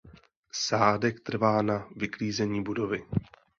Sádek trvá na vyklizení budovy.